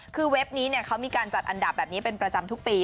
คือเว็บนี้เขามีการจัดอันดับแบบนี้เป็นประจำทุกปี